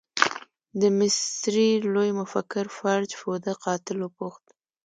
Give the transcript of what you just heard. د مصري لوی مفکر فرج فوده قاتل وپوښت.